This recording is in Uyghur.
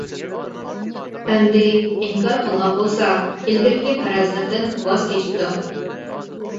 ئەمدى ئىنكار قىلغان بولسا، ئىلگىرىكى پەرەزلىرىدىن ۋاز كېچىپتۇ.